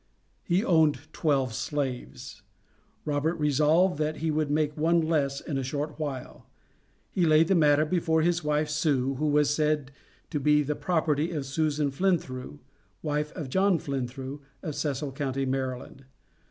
He owned twelve slaves; Robert resolved that he would make one less in a short while. He laid the matter before his wife, "Sue," who was said to be the property of Susan Flinthrew, wife of John Flinthrew, of Cecil county, Maryland.